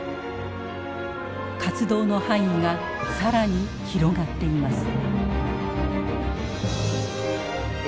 活動の範囲が更に広がっています。